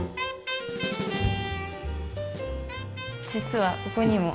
実はここにも。